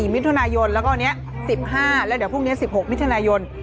มิถุนายนแล้วก็วันนี้๑๕แล้วเดี๋ยวพรุ่งนี้๑๖มิถุนายน